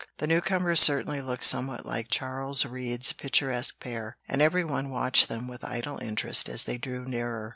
The new comers certainly looked somewhat like Charles Reade's picturesque pair, and every one watched them with idle interest as they drew nearer.